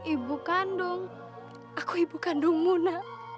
ibu kandung aku ibu kandungmu nak